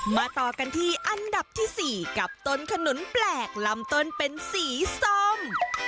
มาต่อกันที่อันดับที่๔กับต้นขนุนแปลกลำต้นเป็นสีส้ม